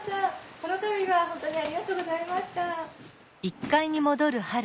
・この度は本当にありがとうございました！